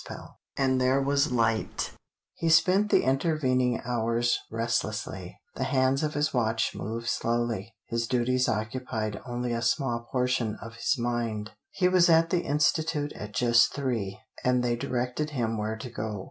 CHAPTER XLIII "AND THERE WAS LIGHT" He spent the intervening hours restlessly; the hands of his watch moved slowly; his duties occupied only a small portion of his mind. He was at the Institute at just three, and they directed him where to go.